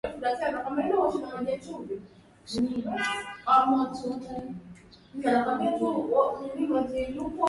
laibon ambaye anaweza kushiriki katika uponyaji wa kidini kuzungumza na Mungu na unabii kuhakikisha